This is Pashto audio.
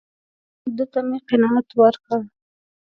ده ته مې قناعت ورکړ.